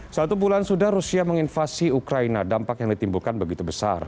satu bulan sudah rusia menginvasi ukraina dampak yang ditimbulkan begitu besar